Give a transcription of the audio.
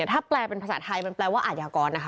ถ้าแปลเป็นภาษาไทยมันแปลว่าอาทยากรนะคะ